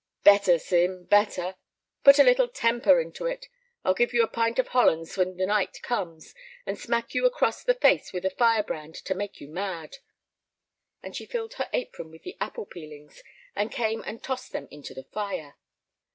"Better, Sim, better. Put a little temper into it. I'll give you a pint of hollands when the night comes, and smack you across the face with a firebrand to make you mad." And she filled her apron with the apple peelings, and came and tossed them into the fire.